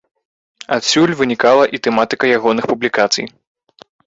Адсюль вынікала і тэматыка ягоных публікацый.